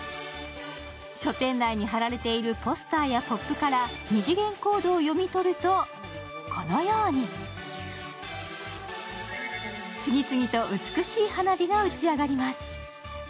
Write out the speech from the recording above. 書店内に貼られているポスターやＰＯＰから二次元コードを読み込むとこのように、次々と美しい花火が打ち上がります。